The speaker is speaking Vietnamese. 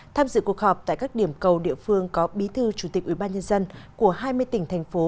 tham dự cuộc họp tại các điểm cầu địa phương có bí thư chủ tịch ubnd của hai mươi tỉnh thành phố